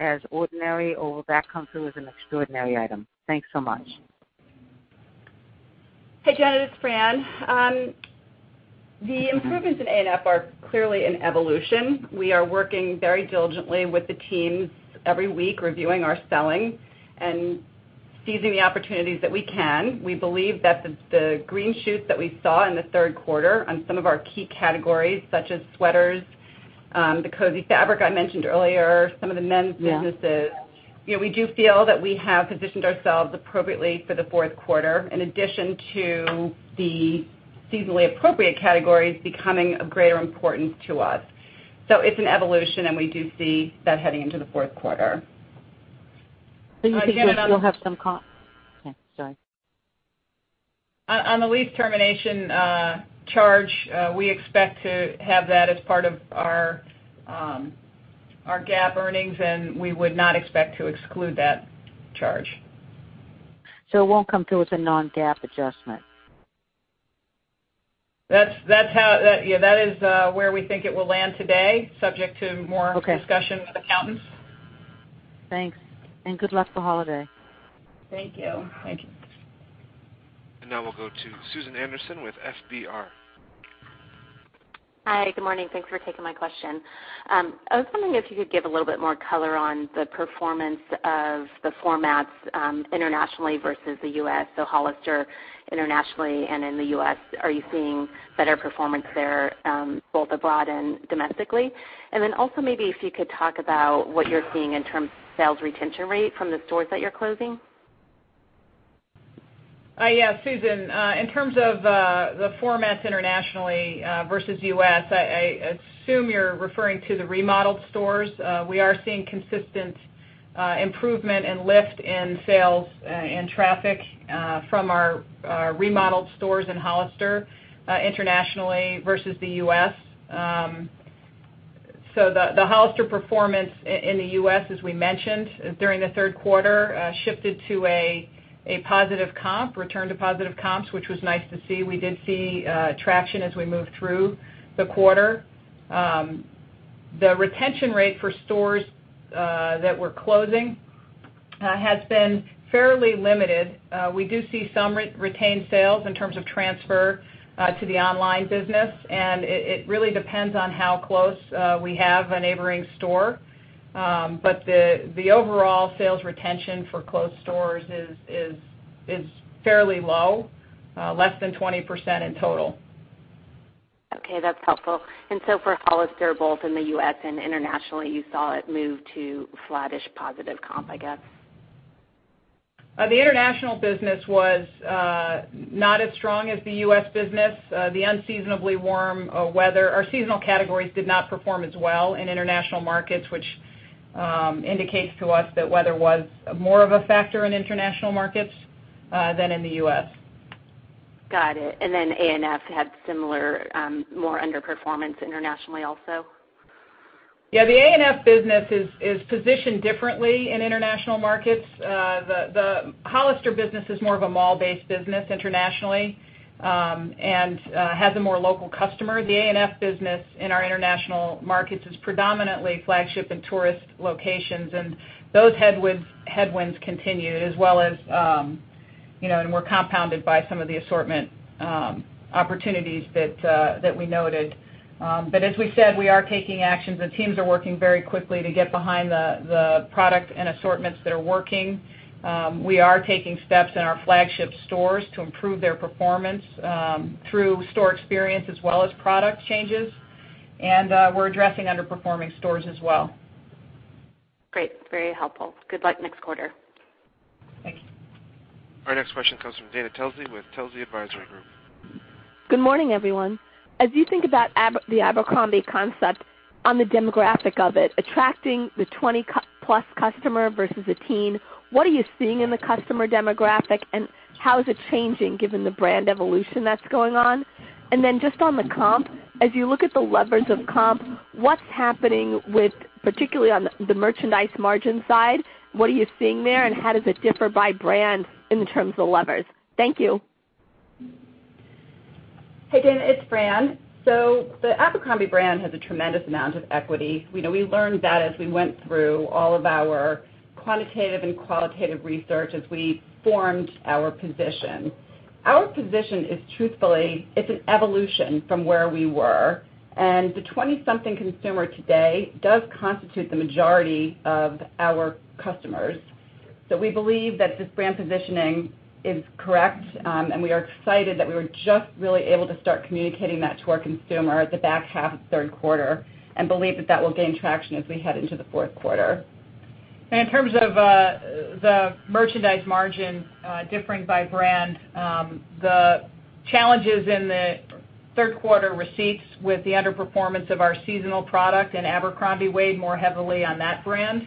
as ordinary, or will that come through as an extraordinary item? Thanks so much. Hey, Janet, it's Fran. The improvements in ANF are clearly an evolution. We are working very diligently with the teams every week, reviewing our selling and seizing the opportunities that we can. We believe that the green shoots that we saw in the third quarter on some of our key categories, such as sweaters, the cozy fabric I mentioned earlier, some of the men's businesses. Yeah. We do feel that we have positioned ourselves appropriately for the fourth quarter, in addition to the seasonally appropriate categories becoming of greater importance to us. It's an evolution, and we do see that heading into the fourth quarter. You think you will still have some comp. Yeah, sorry. On the lease termination charge, we expect to have that as part of our GAAP earnings, and we would not expect to exclude that charge. It won't come through as a non-GAAP adjustment. That is where we think it will land today, subject to more- Okay. -discussion with accountants. Thanks. Good luck for holiday. Thank you. Thank you. Now we'll go to Susan Anderson with FBR. Hi. Good morning. Thanks for taking my question. I was wondering if you could give a little bit more color on the performance of the formats internationally versus the U.S., so Hollister internationally and in the U.S. Are you seeing better performance there, both abroad and domestically? Also maybe if you could talk about what you're seeing in terms of sales retention rate from the stores that you're closing. Yes, Susan. In terms of the formats internationally versus U.S., I assume you're referring to the remodeled stores. We are seeing consistent improvement and lift in sales and traffic from our remodeled stores in Hollister internationally versus the U.S. The Hollister performance in the U.S., as we mentioned during the third quarter, shifted to a positive comp, return to positive comps, which was nice to see. We did see traction as we moved through the quarter. The retention rate for stores that we're closing has been fairly limited. We do see some retained sales in terms of transfer to the online business, and it really depends on how close we have a neighboring store. The overall sales retention for closed stores is fairly low, less than 20%. Okay, that's helpful. For Hollister, both in the U.S. and internationally, you saw it move to flattish positive comp, I guess. The international business was not as strong as the U.S. business. The unseasonably warm weather. Our seasonal categories did not perform as well in international markets, which indicates to us that weather was more of a factor in international markets than in the U.S. Got it. ANF had similar, more underperformance internationally also. Yeah. The ANF business is positioned differently in international markets. The Hollister business is more of a mall-based business internationally and has a more local customer. The ANF business in our international markets is predominantly flagship and tourist locations, and those headwinds continue and were compounded by some of the assortment opportunities that we noted. As we said, we are taking actions. The teams are working very quickly to get behind the product and assortments that are working. We are taking steps in our flagship stores to improve their performance through store experience as well as product changes. We're addressing underperforming stores as well. Great. Very helpful. Good luck next quarter. Thanks. Our next question comes from Dana Telsey with Telsey Advisory Group. Good morning, everyone. As you think about the Abercrombie concept on the demographic of it, attracting the 20-plus customer versus a teen, what are you seeing in the customer demographic, and how is it changing given the brand evolution that's going on? Just on the comp, as you look at the levers of comp, what's happening with, particularly on the merchandise margin side, what are you seeing there, and how does it differ by brand in terms of levers? Thank you. Hey, Dana. It's Fran. The Abercrombie brand has a tremendous amount of equity. We learned that as we went through all of our quantitative and qualitative research as we formed our position. Our position is, truthfully, it's an evolution from where we were, the 20-something consumer today does constitute the majority of our customers. We believe that this brand positioning is correct, we are excited that we were just really able to start communicating that to our consumer at the back half of third quarter, believe that that will gain traction as we head into the fourth quarter. In terms of the merchandise margin differing by brand, the challenges in the third quarter receipts with the underperformance of our seasonal product and Abercrombie weighed more heavily on that brand.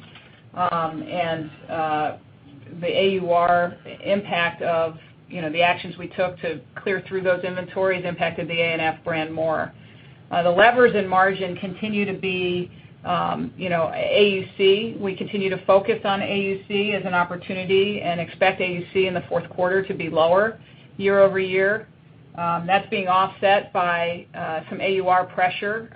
The AUR impact of the actions we took to clear through those inventories impacted the A&F brand more. The levers in margin continue to be AUC. We continue to focus on AUC as an opportunity and expect AUC in the fourth quarter to be lower year-over-year. That's being offset by some AUR pressure,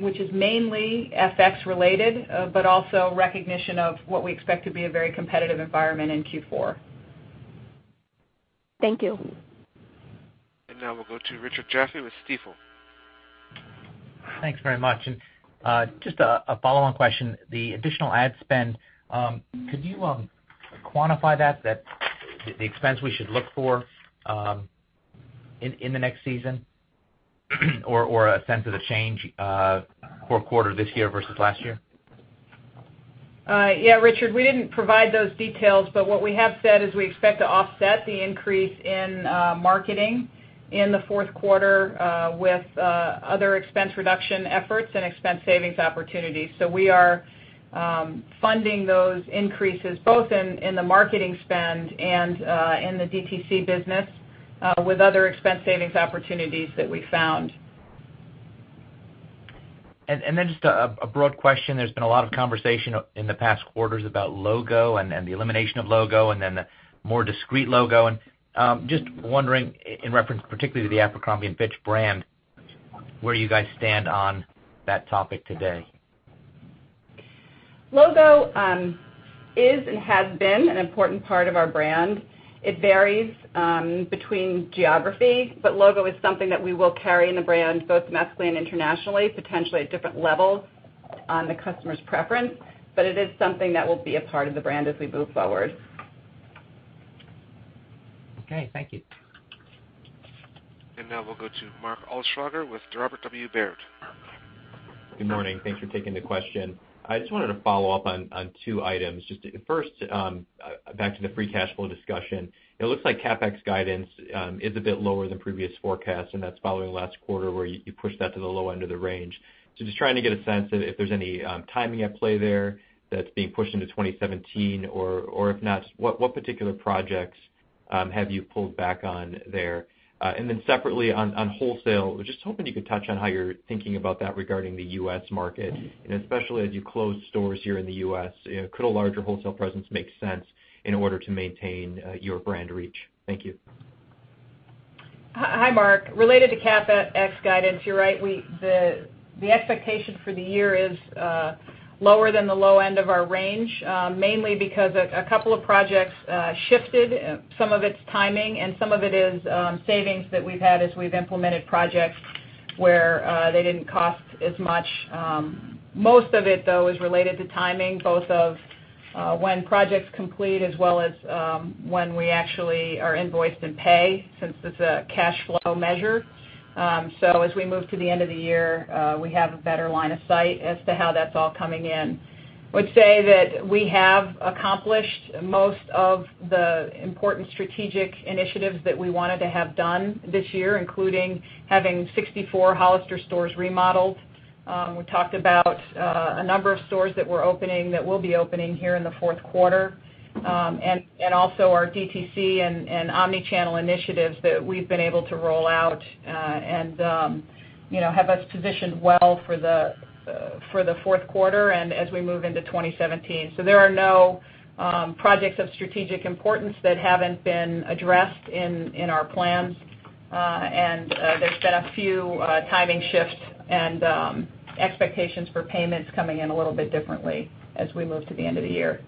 which is mainly FX related, but also recognition of what we expect to be a very competitive environment in Q4. Thank you. Now we'll go to Richard Jaffe with Stifel. Thanks very much. Just a follow-on question. The additional ad spend, could you quantify that, the expense we should look for in the next season, or a sense of the change core quarter this year versus last year? Richard, we didn't provide those details, what we have said is we expect to offset the increase in marketing in the fourth quarter with other expense reduction efforts and expense savings opportunities. We are funding those increases both in the marketing spend and in the DTC business with other expense savings opportunities that we found. Just a broad question. There's been a lot of conversation in the past quarters about logo and the elimination of logo, and then the more discreet logo. Just wondering, in reference particularly to the Abercrombie & Fitch brand, where you guys stand on that topic today. Logo is and has been an important part of our brand. It varies between geography, logo is something that we will carry in the brand both domestically and internationally, potentially at different levels on the customer's preference. It is something that will be a part of the brand as we move forward. Okay, thank you. Now we'll go to Mark Altschwager with Robert W. Baird. Good morning. Thanks for taking the question. I just wanted to follow up on two items. First, back to the free cash flow discussion. It looks like CapEx guidance is a bit lower than previous forecasts, and that's following last quarter where you pushed that to the low end of the range. Just trying to get a sense if there's any timing at play there that's being pushed into 2017. If not, what particular projects have you pulled back on there? Separately on wholesale, just hoping you could touch on how you're thinking about that regarding the U.S. market, and especially as you close stores here in the U.S., could a larger wholesale presence make sense in order to maintain your brand reach? Thank you. Hi, Mark. Related to CapEx guidance, you're right. The expectation for the year is lower than the low end of our range, mainly because a couple of projects shifted some of its timing, and some of it is savings that we've had as we've implemented projects where they didn't cost as much. Most of it, though, is related to timing, both of when projects complete as well as when we actually are invoiced and pay, since it's a cash flow measure. As we move to the end of the year, we have a better line of sight as to how that's all coming in. Would say that we have accomplished most of the important strategic initiatives that we wanted to have done this year, including having 64 Hollister stores remodeled. We talked about a number of stores that we're opening that will be opening here in the fourth quarter. Also our DTC and omnichannel initiatives that we've been able to roll out and have us positioned well for the fourth quarter and as we move into 2017. There are no projects of strategic importance that haven't been addressed in our plans. There's been a few timing shifts and expectations for payments coming in a little bit differently as we move to the end of the year.